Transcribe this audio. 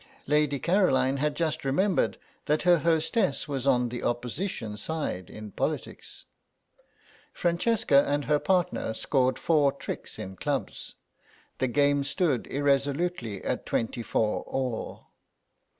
Lady Caroline had just remembered that her hostess was on the Opposition side in politics. Francesca and her partner scored four tricks in clubs; the game stood irresolutely at twenty four all.